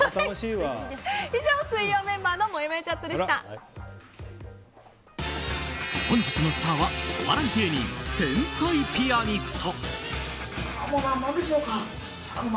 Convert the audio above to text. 以上水曜メンバーの本日のスターはお笑い芸人、天才ピアニスト。